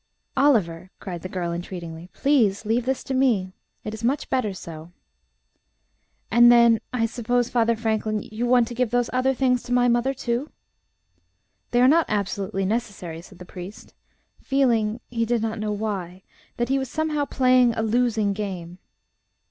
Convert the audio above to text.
"Oliver!" cried the girl entreatingly. "Please leave this to me. It is much better so. And then, I suppose, Father Franklin, you want to give those other things to my mother, too?" "They are not absolutely necessary," said the priest, feeling, he did not know why, that he was somehow playing a losing game.